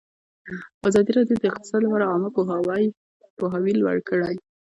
ازادي راډیو د اقتصاد لپاره عامه پوهاوي لوړ کړی.